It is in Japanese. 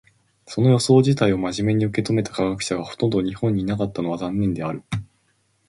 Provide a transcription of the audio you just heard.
その予想自体を真面目に受け止めた科学者がほとんど日本にいなかったのは残念である。